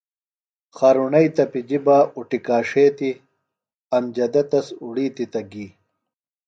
خارُݨئی تپِجیۡ بہ اُٹِکاݜیتیۡ۔ امجدہ تس اُڑیتیۡ تہ گی۔